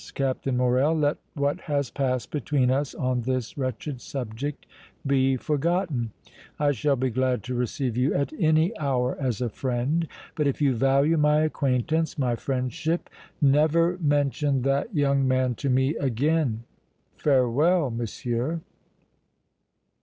Captain Morrel, let what has passed between us on this wretched subject be forgotten. I shall be glad to receive you at any hour as a friend, but, if you value my acquaintance, my friendship, never mention that young man to me again! Farewell, Monsieur!"